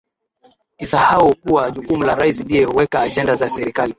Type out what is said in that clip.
isahau kuwa jukumu la rais ndiye huweka agenda za serikali